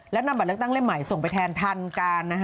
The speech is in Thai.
แล้วนำบัตรเลือกตั้งเล่มใหม่ส่งไปแทนทันการ